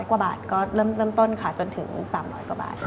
กว่าบาทก็เริ่มต้นค่ะจนถึง๓๐๐กว่าบาท